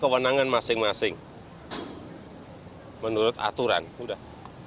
kewenangan masing masing menurut aturan udah